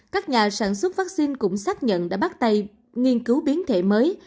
các nhà sản xuất vaccine cũng xác nhận đã bắt tay nghiên cứu biến thể mới